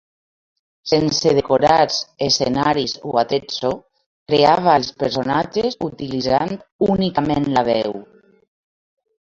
Sense decorats, escenaris o attrezzo, creava els personatges utilitzant únicament la veu.